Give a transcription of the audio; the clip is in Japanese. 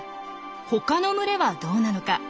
他の群れはどうなのか？